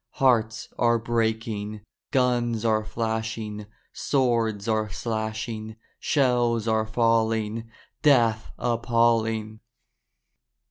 Hearts are breaking, Guns are flashing, Swords are slashing, Shells are falling, Death appalling!